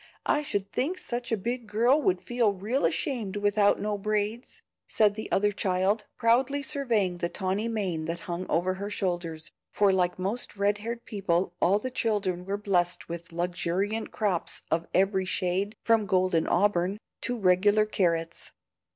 I should think such a big girl would feel real ashamed without no braids," said the other child, proudly surveying the tawny mane that hung over her shoulders, for like most red haired people all the children were blessed with luxuriant crops of every shade from golden auburn to regular carrots.